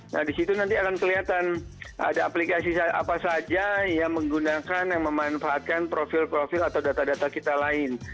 nah disitu nanti akan kelihatan ada aplikasi apa saja yang menggunakan yang memanfaatkan profil profil atau data data kita lain